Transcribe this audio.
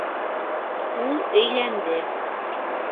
Ул өйләнде.